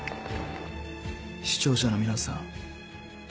視聴者の皆さん。